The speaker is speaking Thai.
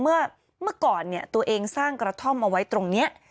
เมื่อก่อนเนี่ยตัวเองสร้างกระท่อมเอาไว้ตรงนี้